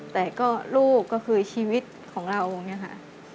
แต่ก็ลูกก็คือชีวิตของเราอย่างนี้ค่ะ